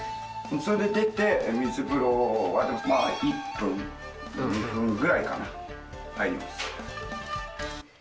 それで出て、水風呂はでも、１分、２分ぐらいかな、入ります。